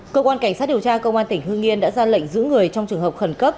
cơ quan cảnh sát điều tra công an tỉnh hương yên đã ra lệnh giữ người trong trường hợp khẩn cấp